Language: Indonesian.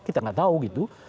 kita nggak tahu gitu